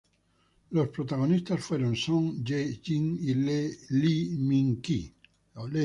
Los protagonistas fueron Son Ye Jin y Lee Min Ki.